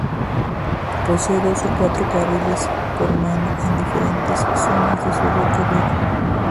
Posee dos a cuatro carriles por mano en diferentes zonas de su recorrido.